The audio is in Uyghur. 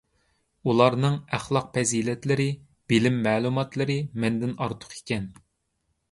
ئۇلارنىڭ ئەخلاق - پەزىلەتلىرى، بىلىم - مەلۇماتلىرى مەندىن ئارتۇق ئىكەن.